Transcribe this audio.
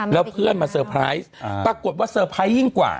แล้วเพื่อนมาเตอร์ไพรส์ปรากฏว่าเตอร์ไพรส์ยิ่งกว่า